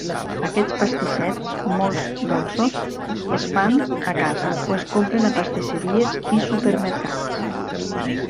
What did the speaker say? Aquests pastissets, molts dolços, es fan a casa o es compren a pastisseries i supermercats.